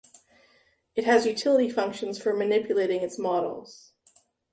it has utility functions for manipulating its models